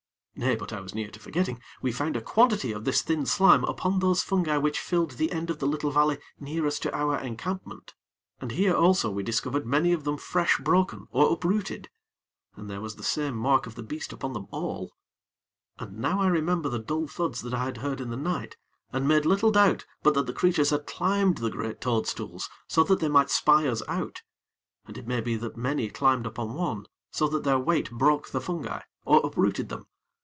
Nay, but I was near to forgetting, we found a quantity of this thin slime upon those fungi which filled the end of the little valley nearest to our encampment, and here also we discovered many of them fresh broken or uprooted, and there was the same mark of the beast upon them all, and now I remember the dull thuds that I had heard in the night, and made little doubt but that the creatures had climbed the great toadstools so that they might spy us out; and it may be that many climbed upon one, so that their weight broke the fungi, or uprooted them.